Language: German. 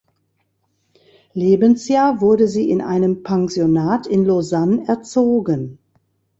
Lebensjahr wurde sie in einem Pensionat in Lausanne erzogen.